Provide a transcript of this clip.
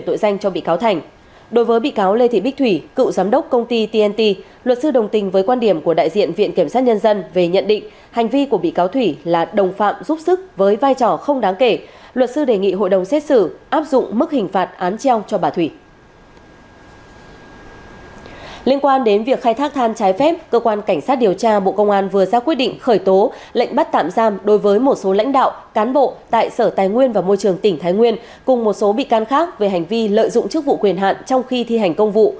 cụ thể cơ quan cảnh sát điều tra bộ công an đã ra các quyết định khởi tố bị can lệnh bắt tạm giam đối với ông nguyễn thanh tuấn giám đốc và nguyễn thế giang phó giám đốc và nguyễn thế giang phó giám đốc và nguyễn thế giang phó giám đốc và nguyễn thế giang